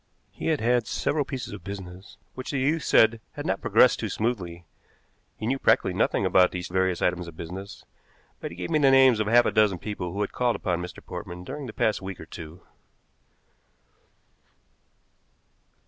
He had had several pieces of business which the youth said had not progressed too smoothly. He knew practically nothing about these various items of business, but he gave me the names of half a dozen people who had called upon Mr. Portman during the past week or two.